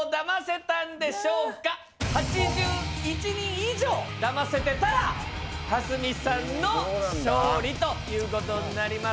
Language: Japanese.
８１人以上騙せてたら蓮見さんの勝利ということになります。